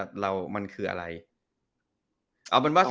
สปอยยากเพราะว่า